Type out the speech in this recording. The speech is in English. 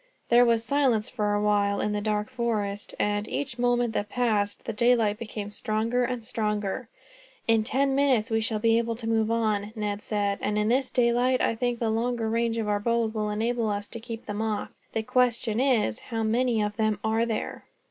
There was silence for a while in the dark forest and, each moment that passed, the daylight became stronger and stronger. "In ten minutes we shall be able to move on," Ned said; "and in the daylight, I think that the longer range of our bows will enable us to keep them off. The question is, how many of them are there?"